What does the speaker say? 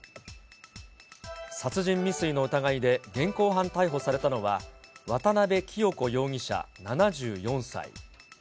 殺人未遂の疑いで現行犯逮捕されたのは渡部清子容疑者７４歳。